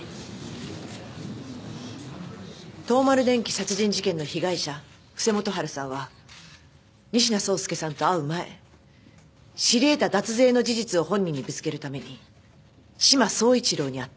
東丸電機殺人事件の被害者布施元治さんは仁科壮介さんと会う前知り得た脱税の事実を本人にぶつけるために志摩総一郎に会った。